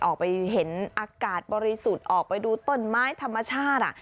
ออกไปเห็นอากาศบริสุทธิ์ออกไปดูต้นไม้ธรรมชาติ